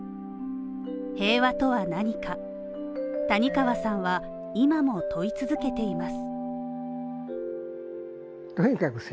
平和とは何か、谷川さんは今も問い続けています